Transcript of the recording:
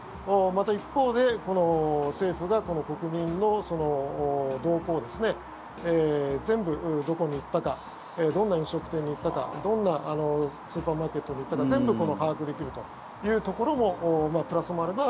また一方で政府が国民の動向を全部どこに行ったかどんな飲食店に行ったかどんなスーパーマーケットに行ったか全部把握できるというところもプラスもあれば。